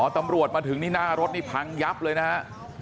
ตำรวจมาถึงนี่หน้ารถนี่พังยับเลยนะฮะ